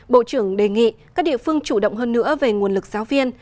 bộ trưởng đề nghị các địa phương chủ động hơn nữa về nguồn lực giáo viên